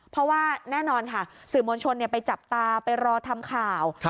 เพราะว่าแน่นอนค่ะสื่อมวลชนไปจับตาไปรอทำข่าว